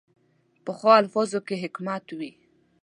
پخو الفاظو کې حکمت وي